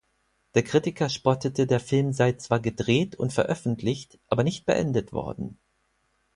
Der Kritiker spottete, der Film sei zwar gedreht und veröffentlicht, aber nicht beendet worden.